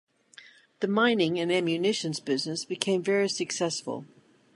The mining and ammunitions business became very successful.